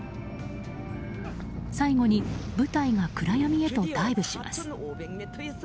最後に部隊が暗闇へとダイブします。